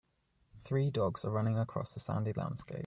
Three dogs are running across a sandy landscape.